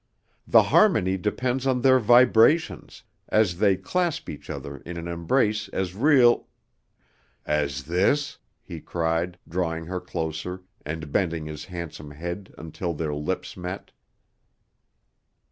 The harmony depends on their vibrations, as they clasp each other in an embrace as real " "As this," he cried, drawing her closer, and bending his handsome head until their lips met.